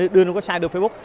đưa nó có site đưa facebook